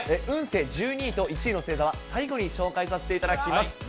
運勢１２位と１位の星座は最後に紹介させていただきます。